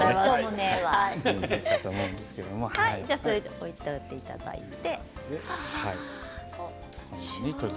置いておいていただいて。